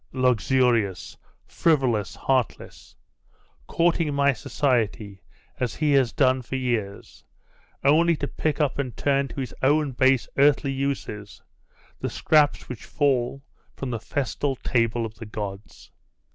Luxurious, frivolous, heartless courting my society, as he has done for years, only to pick up and turn to his own base earthly uses the scraps which fall from the festal table of the gods!